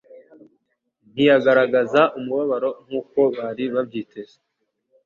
Ntiyagaragaza umubabaro nk'uko bari babyiteze.